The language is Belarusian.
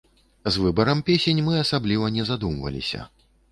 З выбарам песень мы асабліва не задумваліся.